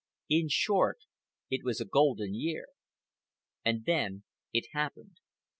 In short, it was a golden year. And then it happened.